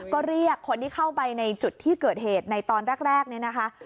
ก็เรียกคนที่เข้าไปในจุดที่เกิดเหตุในตอนแรกเนี่ยนะคะ